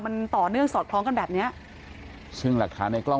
มันต่อเนื่องสอดคล้องกันแบบเนี้ยซึ่งหลักฐานในกล้อง